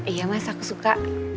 iya mas aku suka